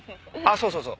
そうそうそう。